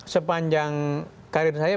sepanjang karir saya